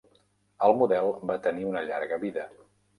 El model va tenir una llarga vida.